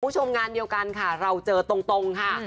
คุณผู้ชมงานเดียวกันค่ะเราเจอตรงค่ะ